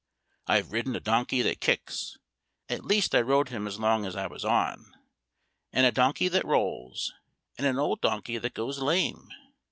I've ridden a donkey that kicks (at least I rode him as long as I was on), and a donkey that rolls, and an old donkey that goes lame.